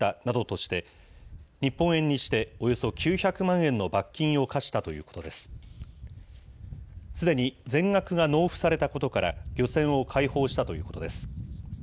すでに全額が納付されたことから、漁船を解放したということです。